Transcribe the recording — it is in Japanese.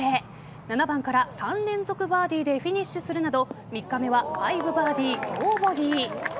７番から３連続バーディーでフィニッシュするなど３日目は５バーディーノーボギー。